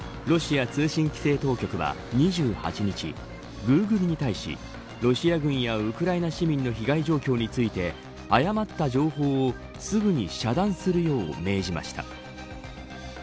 ロシア通信規制当局は、２８日グーグルに対しロシア軍やウクライナ市民の被害状況について誤った情報をすぐに遮断するよう命じました。